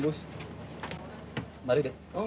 buat ngamal kerjaan